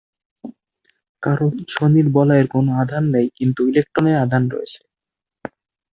কারণ, শনির বলয়ের কোন আধান নেই, কিন্তু ইলেকট্রনের আধান রয়েছে।